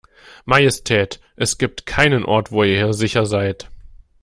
Majestät, es gibt keinen Ort, wo ihr hier sicher seid.